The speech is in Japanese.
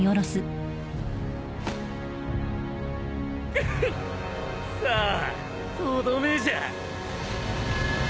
グフッさあとどめじゃ。